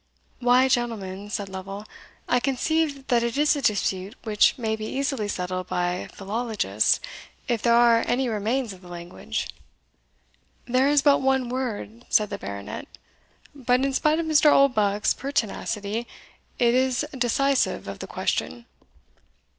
"Why, gentlemen," sad Lovel, "I conceive that is a dispute which may be easily settled by philologists, if there are any remains of the language." "There is but one word," said the Baronet, "but, in spite of Mr. Oldbuck's pertinacity, it is decisive of the question."